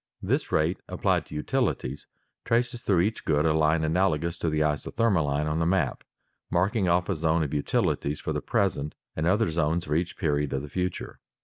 This rate applied to utilities traces through each good a line analagous to the isothermal line on the map, marking off a zone of utilities for the present and other zones for each period of the future.